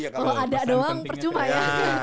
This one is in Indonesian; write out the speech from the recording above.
kalau ada doang percuma ya